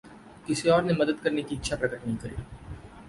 किसी और ने मदद करने की इच्छा प्रकट नहीं करी।